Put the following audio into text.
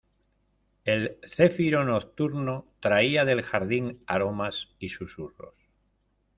el céfiro nocturno traía del jardín aromas y susurros: